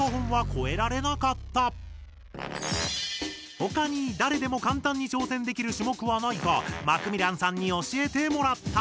他に誰でも簡単に挑戦できる種目はないかマクミランさんに教えてもらった。